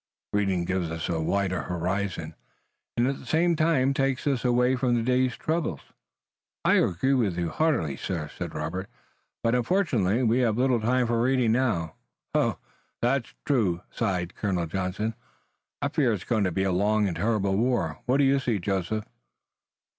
Reading gives us a wider horizon, and, at the same time, takes us away from the day's troubles." "I agree with you heartily, sir," said Robert, "but, unfortunately, we have little time for reading now." "That is true," sighed Colonel Johnson. "I fear it's going to be a long and terrible war. What do you see, Joseph?"